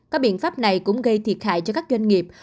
các biện pháp này cũng gây thiệt hại cho các doanh nghiệp